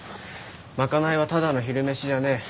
賄いはただの昼飯じゃねえ。